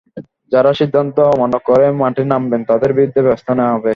যাঁরা সিদ্ধান্ত অমান্য করে মাঠে নামবেন, তাঁদের বিরুদ্ধে ব্যবস্থা নেওয়া হবে।